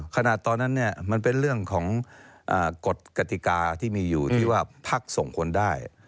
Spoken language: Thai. ขนาดตอนนั้นมันเป็นเรื่องของกฎกติกาที่มีอยู่ที่ว่าพักส่งคนได้